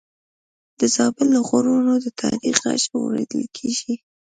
د زابل له غرونو د تاریخ غږ اورېدل کېږي.